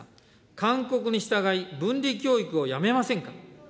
勧告に従い、分離教育をやめませんか。